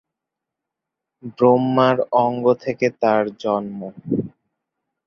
ব্রহ্মার অঙ্গ থেকে তার জন্ম।